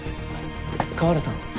河原さん